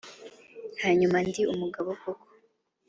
hanyuma ndi umugabo koko.